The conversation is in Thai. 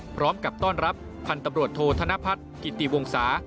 พร้อมกับต้อนรับพันธุ์ตำรวจโทษธนพัฒน์กิติวงศา